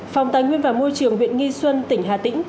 phòng tài nguyên và môi trường huyện nghi xuân tỉnh hà tĩnh